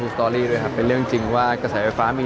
รู้สึกดีครับรู้สึกดีครับเยอะพี่